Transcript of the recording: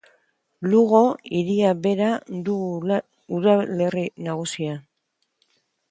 Lugo hiria bera du udalerri nagusia.